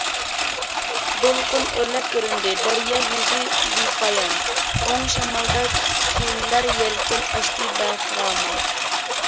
دولقۇن ئۆرلەپ كۆرۈندى دەريا يۈزى بىپايان، ئوڭ شامالدا كېمىلەر يەلكەن ئاچتى بەخىرامان.